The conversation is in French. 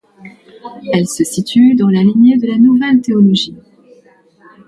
Elle se situe dans la lignée de la Nouvelle Théologie.